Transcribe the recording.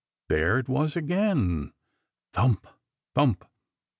There it was again thump, thump!